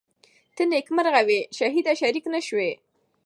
ته نیکمرغه وې شهیده شریک نه سوې